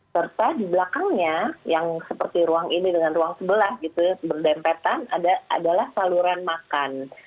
serta di belakangnya yang seperti ruang ini dengan ruang sebelah gitu ya berdempetan adalah saluran makan